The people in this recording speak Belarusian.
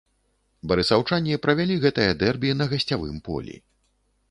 Барысаўчане правялі гэтае дэрбі на гасцявым полі.